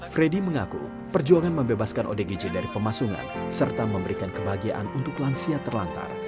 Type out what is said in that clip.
freddy mengaku perjuangan membebaskan odgj dari pemasungan serta memberikan kebahagiaan untuk lansia terlantar